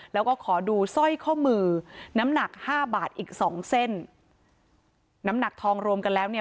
แล้วก็ขอดูสร้อยข้อมือน้ำหนักห้าบาทอีกสองเส้นน้ำหนักทองรวมกันแล้วเนี่ย